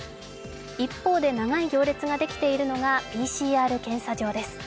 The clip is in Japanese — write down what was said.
一方で長い行列ができているのがＰＣＲ検査場です。